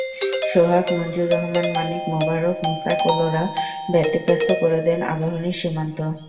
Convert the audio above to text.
সোহাগ, মনজুর রহমান মানিক, মোবারক, মুসা কোলোরা ব্যতিব্যস্ত করে দেন আবাহনীর সীমান্ত।